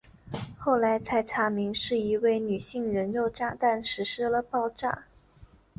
后来才查明是一位女性人肉炸弹实施了爆炸。